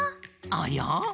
ありゃ？